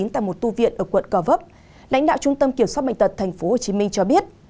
tại một tu viện ở quận gò vấp lãnh đạo trung tâm kiểm soát bệnh tật tp hcm cho biết